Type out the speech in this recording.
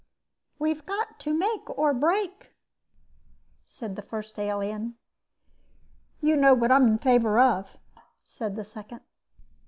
"We've got to make or break," said the first alien. "You know what I'm in favor of," said the second.